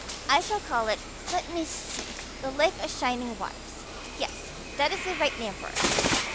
I shall call it let me see the Lake of Shining Waters. Yes, that is the right name for it.